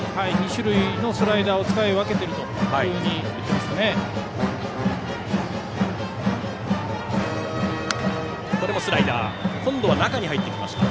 ２種類のスライダーを使い分けていると言っていました。